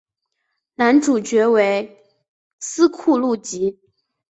男主角为斯库路吉。